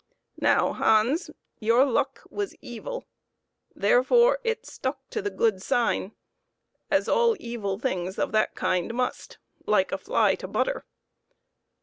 Now, Hans, your luck was evil, therefore it stuck to the good sign, as all evil things of that kind must, like a fly to butter.